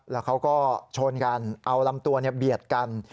แล้วเขาก็ชนกันเอาลำตัวเบียดกัน